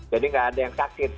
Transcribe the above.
jadi enggak ada yang sakit